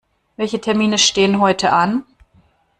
Welche Termine stehen heute an?